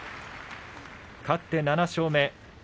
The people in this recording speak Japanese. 勝って７勝目。